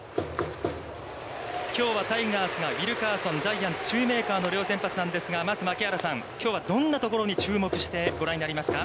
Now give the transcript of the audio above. きょうはタイガースがウィルカーソン、ジャイアンツシューメーカーの両先発なんですが、まず槙原さん、きょうはどんなところに注目してご覧になりますか。